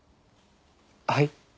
はい？